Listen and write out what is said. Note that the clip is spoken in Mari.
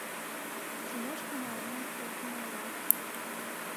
— Тимошка мыланем шокшын ойла.